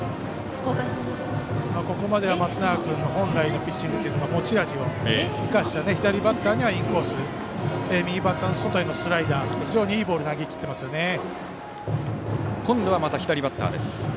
ここまでは松永君の本来のピッチングというか持ち味を生かした左バッターにはインコース右バッターの外へのスライダーと非常にいいボールを今度はまた左バッターです。